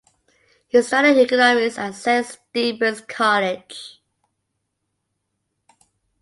He studied economics at Saint Stephen's College.